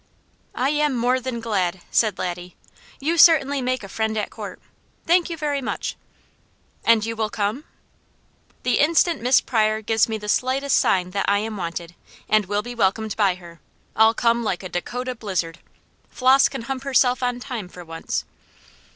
"I am more than glad," said Laddie. "You certainly make a friend at court. Thank you very much!" "And you will come ?" "The instant Miss Pryor gives me the slightest sign that I am wanted, and will be welcomed by her, I'll come like a Dakota blizzard! Flos can hump herself on time for once."